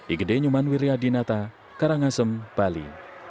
ikedenyuman wiryadinata karangasem bali